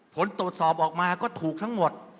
ผลตรวจสอบออกมาก็ถูกทั้งหมด